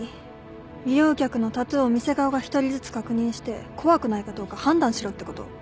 利用客のタトゥーを店側が一人ずつ確認して怖くないかどうか判断しろってこと？